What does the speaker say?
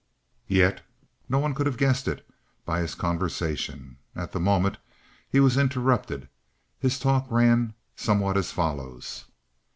Yet no one could have guessed it by his conversation. At the moment he was interrupted, his talk ran somewhat as follows.